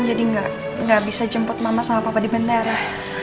jadi gak bisa jemput mama sama papa di bendera